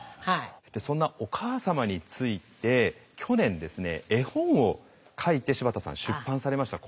そんなお母様について去年ですね絵本を書いて柴田さん出版されました。